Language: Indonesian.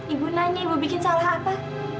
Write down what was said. ibu nani ibu bikin salah apa